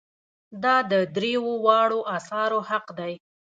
دا د دریو واړو آثارو حق دی.